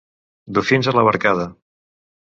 Dofins a la barcada!